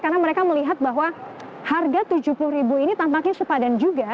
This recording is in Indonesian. karena mereka melihat bahwa harga tujuh puluh ribu ini tampaknya sepadan juga